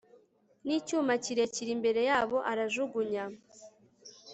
Nicyuma kirekire imbere yabo arajugunya